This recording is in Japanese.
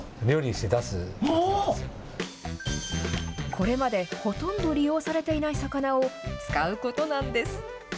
これまでほとんど利用されていない魚を使うことなんです。